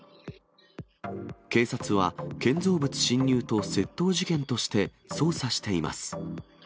警察は、建造物侵入と窃盗事件として、捜査しています。